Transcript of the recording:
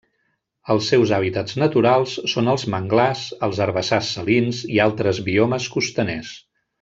Els seus hàbitats naturals són els manglars, els herbassars salins i altres biomes costaners.